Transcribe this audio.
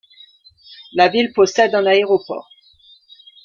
La ville possède un aéroport.